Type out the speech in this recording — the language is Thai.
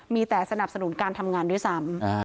มีแต่สนับสนุนการทำงานด้วยซ้ำ